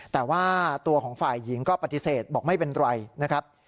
แต่ว่าตัวของฝ่ายหญิงก็ปฏิเสธบอกไม่เป็นไรนะครับ